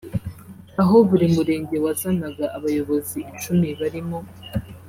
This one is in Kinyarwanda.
aho buri Murenge wazanaga abayobozi icumi barimo